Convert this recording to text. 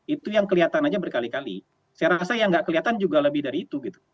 itu yang kelihatan aja berkali kali saya rasa yang nggak kelihatan juga lebih dari itu gitu